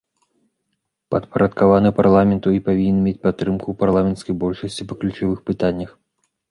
Падпарадкаваны парламенту і павінен мець падтрымку парламенцкай большасці па ключавых пытаннях.